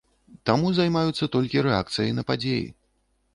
Таму займаюцца толькі рэакцыяй на падзеі.